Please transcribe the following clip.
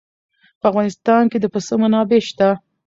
په افغانستان کې د پسه منابع شته.